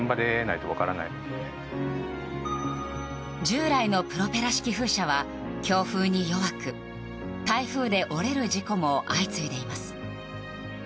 従来のプロペラ式風車は強風に弱く台風で折れる事故も相次いでいます。